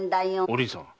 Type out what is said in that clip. お凛さん。